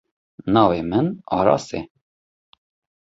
Navê min Aras e.